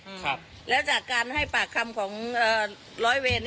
และจากการให้ปากคำของร้อยเวท